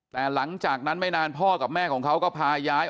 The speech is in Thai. แต่หลังจากนั้นไม่นานพ่อกับแม่ของเขาก็พาย้าย